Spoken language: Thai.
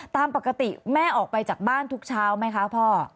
ตามปกติแม่ออกไปจากบ้านทุกเช้าไหมคะพ่อ